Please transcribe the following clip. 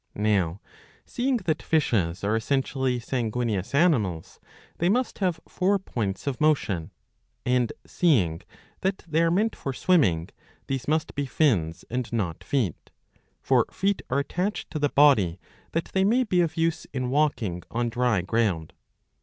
Now, seeing that fishes are essentially sanguineous animals, they must have four points of motion ; and, seeing that they are meant for swimming, these must be fin& and not feet; for feet are attached to the body that they may be of use in walking on dry ground.